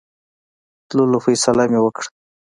تللو فیصله مې وکړه.